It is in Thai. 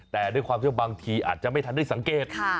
แต่ได้ความว่าบางทีอาจจะไม่ทันด้วยสังเกต